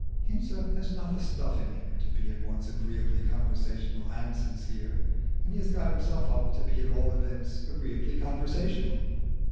Hinze has not the stuff in him to be at once agreeably conversational and sincere, and he has got himself up to be at all events agreeably conversational.